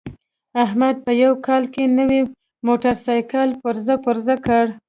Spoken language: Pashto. احمد په یوه کال کې نوی موټرسایکل پرزه پرزه کړ.